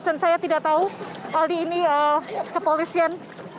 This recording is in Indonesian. dan saya tidak tahu aldi ini kepolisian